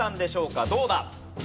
どうだ？